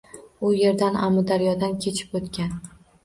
U yerdan Amudaryodan kechib oʻtgan.